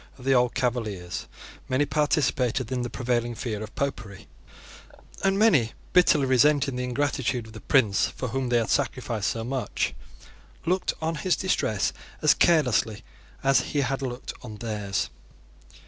Of the old Cavaliers many participated in the prevailing fear of Popery, and many, bitterly resenting the ingratitude of the prince for whom they had sacrificed so much, looked on his distress as carelessly as he had looked on theirs.